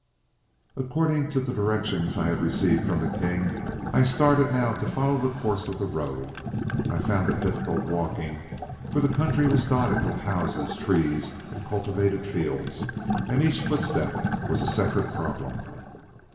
"According to the directions I had received from the king, I started now to follow the course of the road. I found it difficult walking, for the country was dotted with houses, trees, and cultivated fields, and each footstep was a separate problem.